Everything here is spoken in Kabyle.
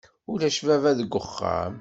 Ulac baba deg uxxam.